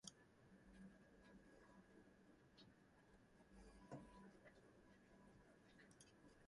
The currency's appreciation was crucial to keep inflation under control.